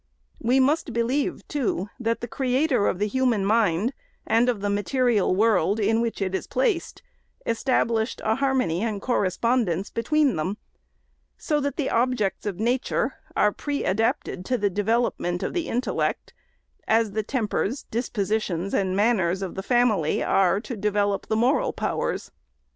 We must believe, too, that the Creator of the human mind, and of the material world in which it is placed, established a harmony and correspond ence between them ; so that the objects of nature are pre adapted to the development of the intellect, as the tempers, dispositions and manners of the family are to develop the 554 THE SECRETARY'S moral powers.